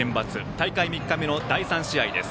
大会３日目の第３試合です。